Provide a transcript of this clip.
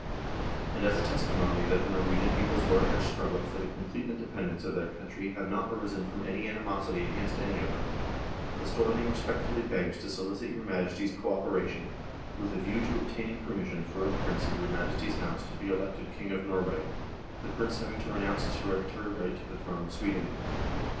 And as a testimony that the Norwegian people's work and struggle for the complete independence of their country have not arisen from any animosity against any of them, the Storthing respectfully begs to solicit your Majesty's co operation with a view to obtaining permission for a Prince of your Majesty's house to be elected King of Norway, the Prince having to renounce his hereditary right to the throne of Sweden.